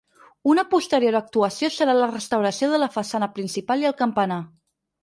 Una posterior actuació serà la restauració de la façana principal i el campanar.